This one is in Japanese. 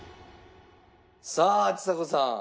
さあちさ子さん